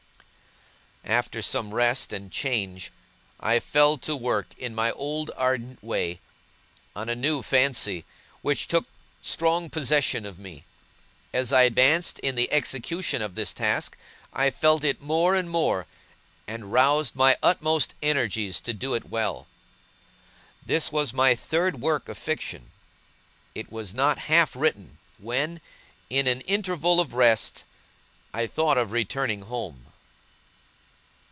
After some rest and change, I fell to work, in my old ardent way, on a new fancy, which took strong possession of me. As I advanced in the execution of this task, I felt it more and more, and roused my utmost energies to do it well. This was my third work of fiction. It was not half written, when, in an interval of rest, I thought of returning home.